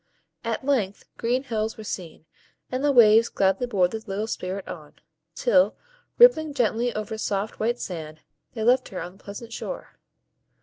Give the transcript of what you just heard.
At length green hills were seen, and the waves gladly bore the little Spirit on, till, rippling gently over soft white sand, they left her on the pleasant shore.